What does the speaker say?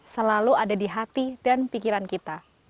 selalu ada di hati dan pikiran kita